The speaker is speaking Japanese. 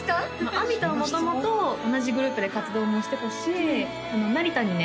亜美とは元々同じグループで活動もしてたし成田にね